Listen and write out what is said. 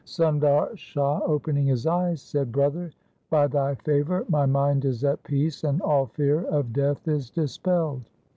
1 Sundar Shah opening his eyes said, ' Brother, by thy favour my mind is at peace and all fear of death is dispelled.